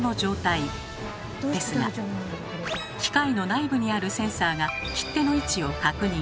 ですが機械の内部にあるセンサーが切手の位置を確認。